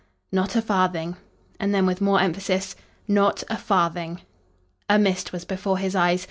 "Not a farthing." And then with more emphasis "Not a farthing." A mist was before his eyes.